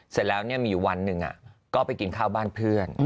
เสร็จแล้วมีอยู่วันหนึ่งก็ไปกินข้าวบ้านเพื่อน